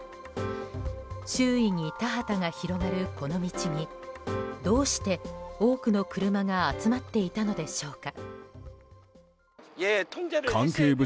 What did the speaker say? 周囲に田畑が広がる、この道にどうして多くの車が集まっていたのでしょうか。